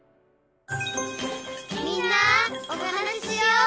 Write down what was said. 「みんなおはなししよう」